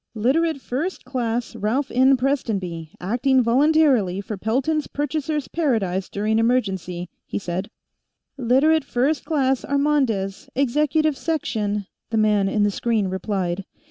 "Literate First Class Ralph N. Prestonby, acting voluntarily for Pelton's Purchasers' Paradise during emergency," he said. "Literate First Class Armandez, Executive Section," the man in the screen replied.